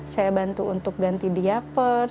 saya bantu untuk ganti diaper